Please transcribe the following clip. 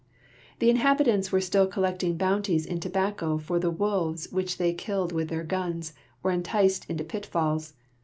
J'he inhabitants were still collecting bounties in tobacco for the wolves which they killed with their guns or enticed into pit falls.